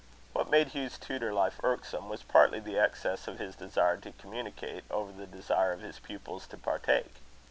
What made Hugh's tutor life irksome, was partly the excess of his desire to communicate, over the desire of his pupils to partake.